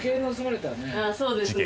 そうですね・